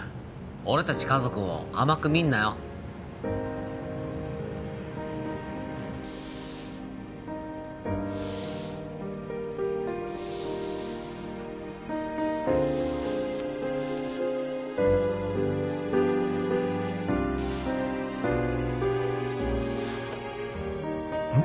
俺達家族を甘く見んなようん？